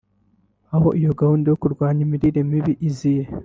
Aho iyo gahunda yo kurwanya imiriremibi iziye